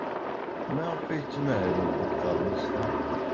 Maɣef ay ttmahalen deg teṛmist-a?